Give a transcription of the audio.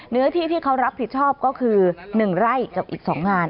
เนื้อที่ที่เขารับผิดชอบก็คือ๑ไร่กับอีก๒งาน